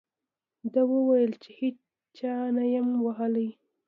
ده وویل چې هېچا نه یم ووهلی.